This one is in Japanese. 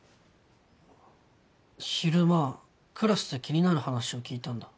昼間クラスで気になる話を聞いたんだ。